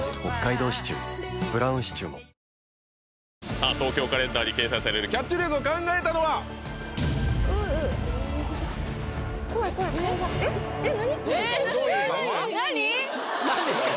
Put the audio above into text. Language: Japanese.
さあ「東京カレンダー」に掲載されるキャッチフレーズを考えたのはううおぉ怖い怖い顔がえっ何？